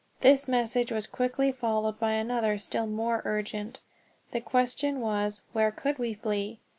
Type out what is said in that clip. This message was quickly followed by another still more urgent. The question was, where could we flee?